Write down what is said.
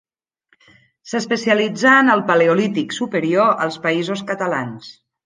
S'especialitzà en el paleolític superior als Països Catalans.